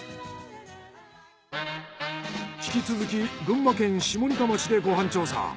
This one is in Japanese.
引き続き群馬県下仁田町でご飯調査。